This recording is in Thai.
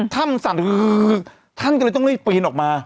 ถ้ำมันสั่นอือถ้านก็เลยต้องไม่ปีนออกมา